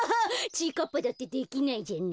ちぃかっぱだってできないじゃない。